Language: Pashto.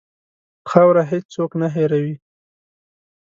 خاوره هېڅ څوک نه هېروي.